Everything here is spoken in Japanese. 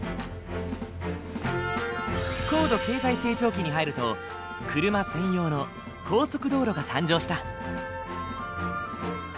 高度経済成長期に入ると車専用の高速道路が誕生した。